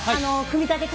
組み立て。